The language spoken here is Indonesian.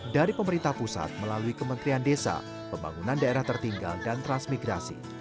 dari pemerintah pusat melalui kementerian desa pembangunan daerah tertinggal dan transmigrasi